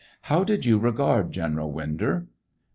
How did you regard General WinJor?